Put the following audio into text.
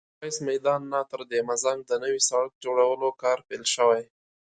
له ميرويس میدان نه تر دهمزنګ د نوي سړک جوړولو کار پیل شوی